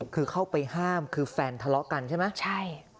คือเข้าไปห้ามคือแฟนทะเลาะกันใช่ไหมใช่